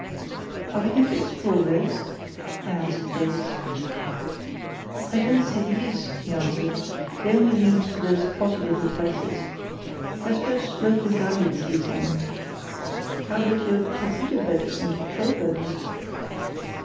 "Are we going to explore those?" I asked Davies. "I don't see the use," he answered; "they only lead to those potty little places. I suppose local galliots use them." "How about your torpedo boats and patrol boats?"